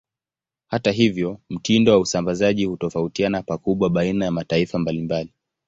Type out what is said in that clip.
Hata hivyo, mtindo wa usambazaji hutofautiana pakubwa baina ya mataifa mbalimbali.